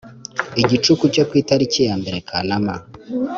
igicuku cyo ku itariki yambere kanama